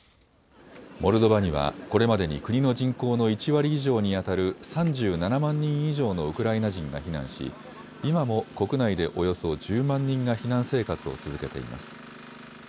モルドバにはこれまでに国の人口の１割以上にあたる３７万人以上のウクライナ人が避難し今も国内でおよそ１０万人が避難生活を続けています。